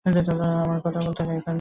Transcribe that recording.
আমারও কথা বলতে হবে, একান্তে।